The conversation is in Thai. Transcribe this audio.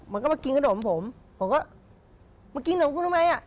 มันก็มากินขนมผมผมก็มากินนมกูทำไมอ่ะ